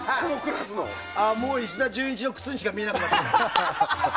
もう石田純一の靴にしか見えなくなってきた。